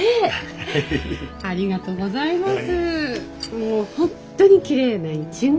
もう本当にきれいなイチゴ。